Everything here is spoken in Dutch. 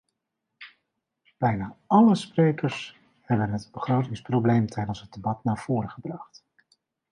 Bijna alle sprekers hebben het begrotingsprobleem tijdens het debat naar voren gebracht.